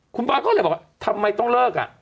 คุณบอสก็เลยบอกว่าทำไมต้องเลิก